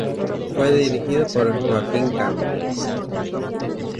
Fue dirigido por Joaquín Cambre.